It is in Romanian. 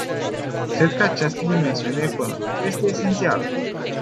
Cred că această dimensiune economică este esențială.